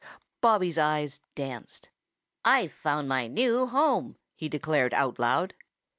Bobby's eyes danced. "I've found my new home," he declared out loud.